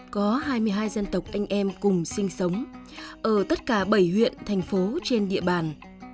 có hai mươi hai dân tộc anh em cùng sinh sống ở tất cả bảy huyện thành phố trên địa bàn